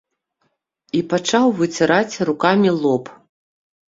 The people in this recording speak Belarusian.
І пачаў выціраць рукамі лоб.